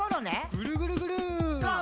ぐるぐるぐる。